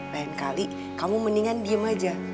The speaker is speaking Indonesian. lain kali kamu mendingan diem aja